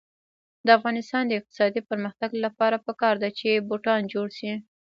د افغانستان د اقتصادي پرمختګ لپاره پکار ده چې بوټان جوړ شي.